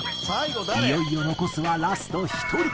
いよいよ残すはラスト１人。